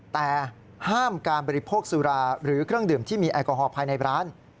แต่ห้ามการบริโภคสุราหรือเครื่องดื่มที่มีแอลกอฮอลภายในร้าน